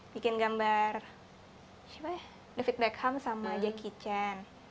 bikin gambar david beckham sama jackie chan